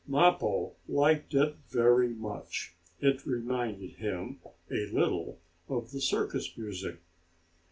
Mappo liked it very much. It reminded him a little of the circus music.